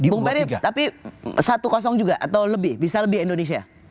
bung peri tapi satu juga atau lebih bisa lebih indonesia